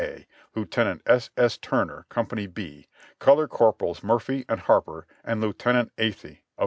A, Lieutenant S. S. Turner, Co. B, Color Corporals Murphy and Harper and Lieutenant Athey of Co.